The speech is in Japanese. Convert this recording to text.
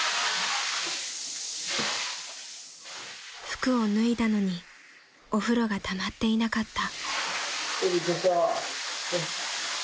［服を脱いだのにお風呂がたまっていなかった］